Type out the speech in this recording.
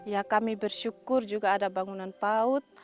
ya kami bersyukur juga ada bangunan paut